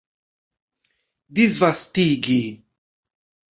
disvastigi